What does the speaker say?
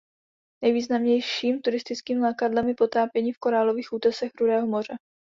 Nejvýznamnějším turistickým lákadlem je potápění v korálových útesech Rudého moře.